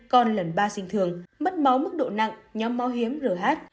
con lần ba sinh thường mất máu mức độ nặng nhóm máu hiếm rửa hát